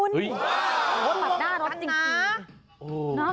หื้อตัดหน้ารถจริง